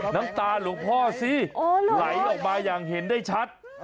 น้ำตาหลวงพ่อสิไหลออกมาอย่างเห็นได้ชัด